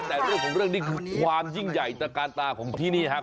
แต่เรื่องของเรื่องนี้คือความยิ่งใหญ่ตะกาลตาของที่นี่ครับ